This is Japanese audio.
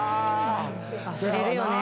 忘れるよね。